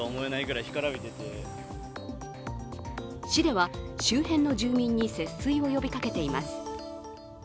市では、周辺の住民に節水を呼びかけています。